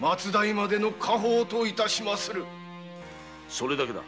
それだけだ。